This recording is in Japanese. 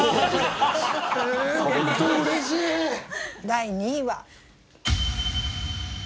第２位は。